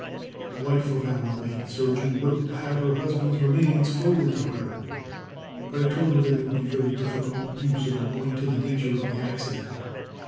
"The wife of our late surgeon wrote to have her husband's remains forwarded to her, but I told her that it would be very difficult to do so, owing to the nature of the accident.